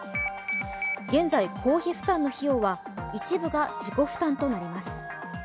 現在、公費負担の費用は一部が自己負担となります。